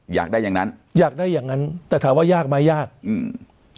อยากได้อย่างนั้นอยากได้อย่างงั้นแต่ถามว่ายากไหมยากอืม